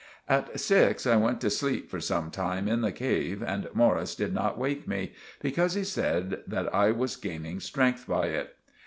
At six I went to sleep for some time in the cave and Morris did not wake me, because he said that I was gaining strength by it.